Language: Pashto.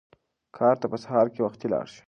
کار ته په سهار کې وختي لاړ شه.